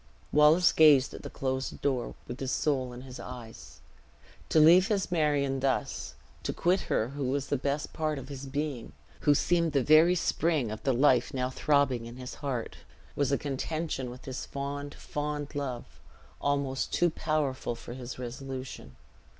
Wallace gazed at the closed door, with his soul in his eyes. To leave his Marion thus, to quit her who was the best part of his being, who seemed the very spring of the life now throbbing in his heart, was a contention with his fond, fond love, almost too powerful for his resolution.